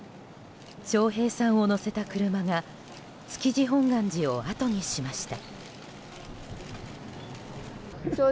笑瓶さんを乗せた車が築地本願寺をあとにしました。